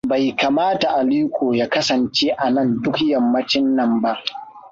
Bai kamata Aliko ya kasance anan duk yammacin nan ba.